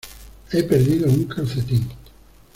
He perdido un calcetín.